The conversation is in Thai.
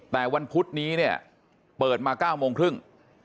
แต่วันพุธนี้เนี่ยเปิดมา๙โมงครึ่ง